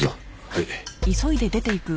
はい。